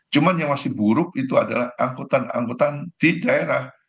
cuma yang masih buruk itu adalah angkutan angkutan di daerah